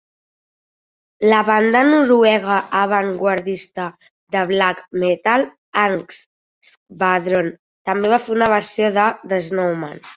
La banda noruega avantguardista de "black metal", Angst Skvadron, també va fer una versió de "The Snowman".